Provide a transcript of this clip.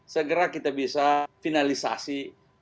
segera kita bisa finalisasi